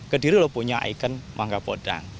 kediri loh punya ikon mangga podang